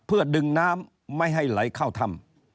เพื่อดึงน้ำไม่ให้ไหลเข้าถ้ำ